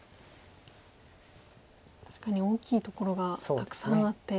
確かに大きいところがたくさんあって。